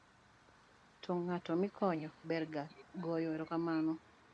to ng'at mikonyo ber ga goyo erokamano